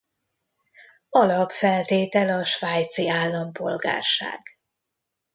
Alapfeltétel a svájci állampolgárság.